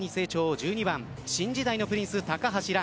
１２番、新時代のプリンス高橋藍